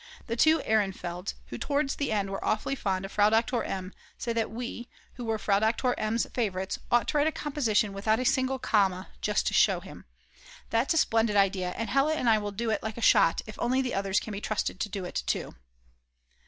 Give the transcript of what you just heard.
The two Ehrenfelds, who towards the end were awfully fond of Frau Doktor M., say that we, who were Frau Doktor M.'s favourites, ought to write a composition without a single comma, just to show him. That's a splendid idea, and Hella and I will do it like a shot if only the others can be trusted to do it too.